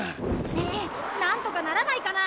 ねえなんとかならないかな？